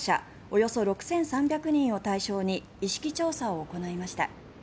およそ６３００人を対象に意識調査を行いました。